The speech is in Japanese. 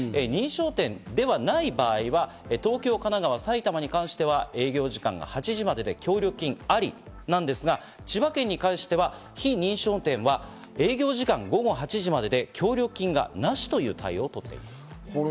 認証店ではない場合は東京、神奈川、埼玉に関しては営業時間８時までで、協力金ありなんですが、千葉県に関しては非認証店は営業時間、午後８時までで協力金がなしという対応をとっています。